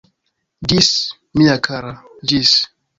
Ĝis, mia kara, ĝis!